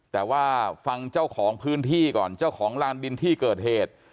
แต่ว่าฟังเจ้าของพื้นที่ก่อนเจ้าของลานดินที่เกิดเหตุ